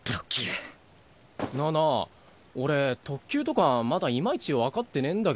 なあなあ俺特級とかまだいまいち分かってねぇんだけど。